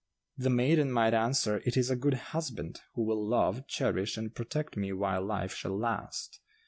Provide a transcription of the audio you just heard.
The maiden might answer, 'It is a good husband, who will love, cherish and protect me while life shall last.